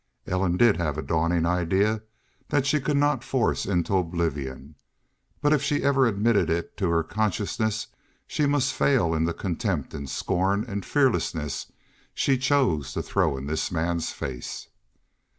Ellen did have a dawning idea that she could not force into oblivion. But if she ever admitted it to her consciousness, she must fail in the contempt and scorn and fearlessness she chose to throw in this man's face.